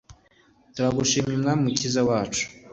Turagushimye mwami umukiza wacu